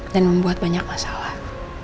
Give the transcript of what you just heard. dan membuat banyak masalah